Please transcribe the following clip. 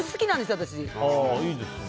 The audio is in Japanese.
私。